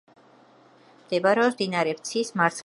მდებარეობს მდინარე ფცის მარცხენა ნაპირზე.